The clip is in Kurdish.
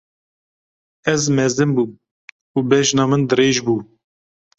Ez mezin bûm û bejna min dirêj bû.